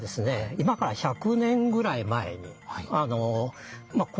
今から１００年ぐらい前にあのこういった。